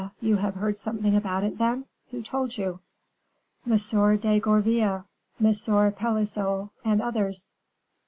you have heard something about it, then; who told you?" "M. de Gourville, M. Pelisson, and others."